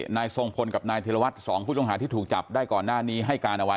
นายทรงพลกับนายธิรวัตรสองผู้ต้องหาที่ถูกจับได้ก่อนหน้านี้ให้การเอาไว้